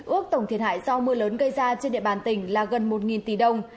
ước tổng thiệt hại do mưa lớn gây ra trên địa bàn tỉnh là gần một tỷ đồng